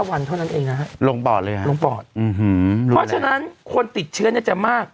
วันเท่านั้นเองนะฮะลงปอดเลยฮะลงปอดเพราะฉะนั้นคนติดเชื้อเนี่ยจะมาก